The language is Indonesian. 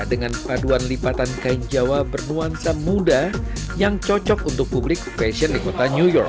dengan paduan lipatan kain jawa bernuansa muda yang cocok untuk publik fashion di kota new york